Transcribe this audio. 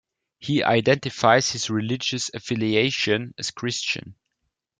He identifies his religious affiliation as Christian.